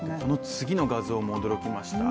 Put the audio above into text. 次の画像も驚きました。